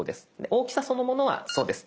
大きさそのものはそうです。